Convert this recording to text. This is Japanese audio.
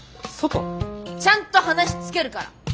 ちゃんと話つけるから！